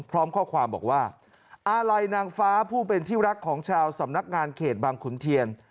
พร้อมข้อความบอกว่าอาลัยนางฟ้าผู้เป็นที่รักของชาวสำนักงานเขตบางขุนเทียน